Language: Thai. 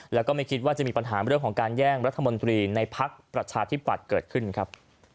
แล้วก็ไม่คิดว่าจะมีปัญหาเรื่องของการแย่งรัฐมนตรีในพักประชาธิปัตย์เกิดขึ้นครับ